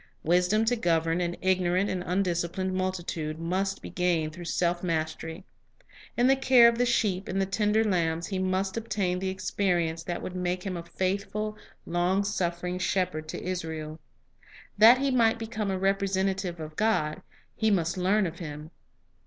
Wisdom to govern an ignorant and undisciplined multitude must be gained through self mastery. In the care of the sheep and the tender lambs he must obtain the experience that would make him a faithful, long suffering shepherd to Israel. That Lives of Great Men 63 he might become a representative of God, he must learn of Him.